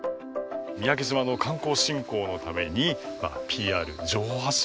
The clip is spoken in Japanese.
三宅島の観光振興のためにＰＲ情報発信